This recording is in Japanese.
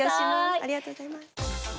ありがとうございます。